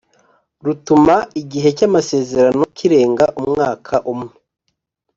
rutuma igihe cy’amasezerano kirenga umwaka umwe